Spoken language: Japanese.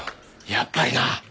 やっぱりな。